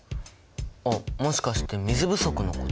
あっもしかして水不足のこと？